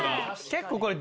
結構これ。